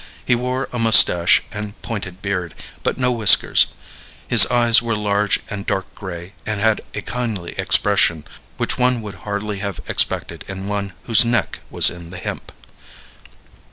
He wore a mustache and pointed beard, but no whiskers; his eyes were large and dark gray and had a kindly expression which one would hardly have expected in one whose neck was in the hemp.